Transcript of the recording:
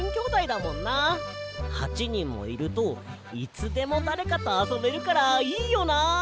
８にんもいるといつでもだれかとあそべるからいいよな。